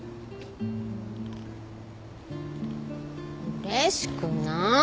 うれしくない。